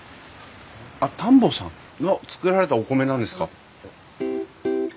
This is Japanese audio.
あっ田んぼさん。が作られたお米なんですか？